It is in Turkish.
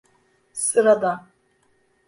Sıradan.